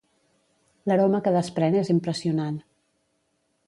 L'aroma que desprèn és impressionant.